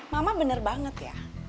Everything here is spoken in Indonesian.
mama benar banget ya